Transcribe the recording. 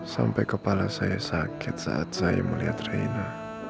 sampai kepala saya sakit saat saya melihat raina